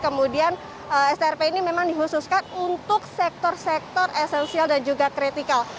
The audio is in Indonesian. kemudian strp ini memang dihususkan untuk sektor sektor esensial dan juga kritikal